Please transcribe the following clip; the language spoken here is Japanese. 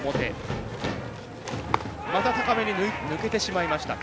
高めに抜けてしまいました。